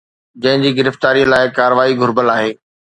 جنهن جي گرفتاري لاءِ ڪاروائي گهربل آهي